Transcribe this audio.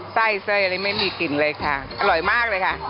ไส้ไส้อะไรไม่มีกลิ่นเลยค่ะอร่อยมากเลยค่ะ